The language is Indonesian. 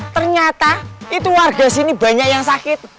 ternyata itu warga sini banyak yang sakit